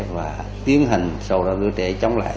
và tiến hành sau đó đứa trẻ chống lại